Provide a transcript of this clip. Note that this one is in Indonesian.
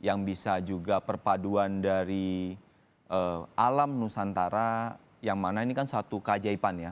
yang bisa juga perpaduan dari alam nusantara yang mana ini kan satu keajaiban ya